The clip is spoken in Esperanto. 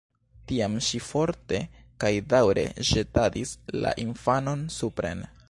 Tiam ŝi forte kaj daŭre ĵetadis la infanon supren.